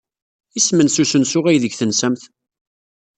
Isem-nnes usensu aydeg tensamt?